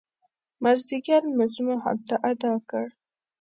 مازدیګر لمونځ مو هلته اداء کړ.